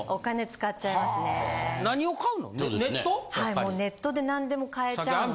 もうネットで何でも買えちゃうんで。